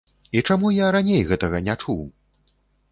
І чаму я раней гэтага не чуў?